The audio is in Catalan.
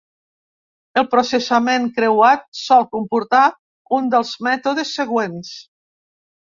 El processament creuat sol comportar un dels mètodes següents.